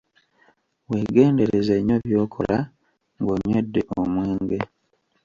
Weegendereze nnyo byokola ng'onywedde omwenge.